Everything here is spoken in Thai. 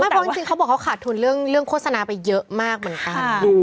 เพราะจริงเขาบอกเขาขาดทุนเรื่องโฆษณาไปเยอะมากเหมือนกัน